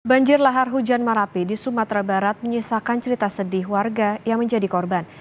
banjir lahar hujan marapi di sumatera barat menyisakan cerita sedih warga yang menjadi korban